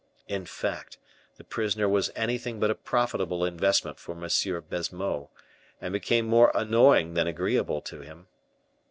In fact, the prisoner was anything but a profitable investment for M. Baisemeaux, and became more annoying than agreeable to him.